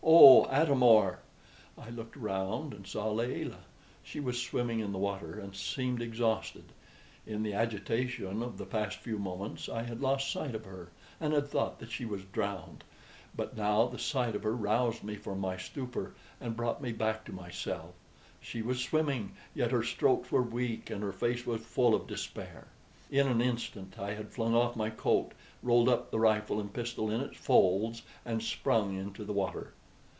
oh, Atam or!" I looked around and saw Layelah. She was swimming in the water, and seemed exhausted. In the agitation of the past few moments I had lost sight of her, and had thought that she was drowned; but now the sight of her roused me from my stupor and brought me back to myself. She was swimming, yet her strokes were weak and her face was full of despair. In an instant I had flung off my coat, rolled up the rifle and pistol in its folds, and sprung into the water.